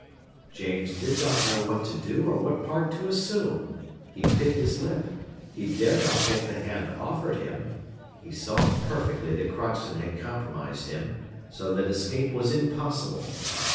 James did not know what to do or what part to assume; he bit his lip; he dared not take the hand offered him; he saw perfectly that Crockston had compromised him, so that escape was impossible.